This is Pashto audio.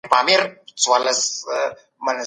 مثبت فکر وخت نه کموي.